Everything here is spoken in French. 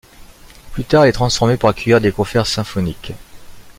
Plus tard, il est transformé pour accueillir des concerts symphoniques.